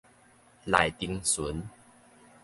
內重巡